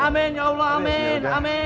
amin ya allah amin